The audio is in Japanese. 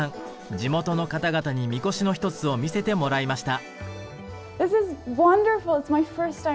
地元の方々にみこしの一つを見せてもらいました。